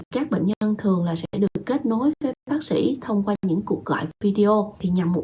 các bệnh nhân thường là sẽ được kết nối với bác sĩ thông qua những cuộc gọi video nhằm mục